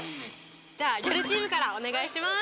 じゃあギャルチームからお願いします